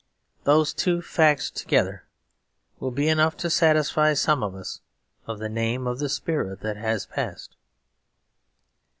Those two facts together will be enough to satisfy some of us of the name of the Spirit that had passed.